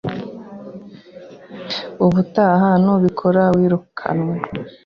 Ubutaha nubikora, wirukanwe.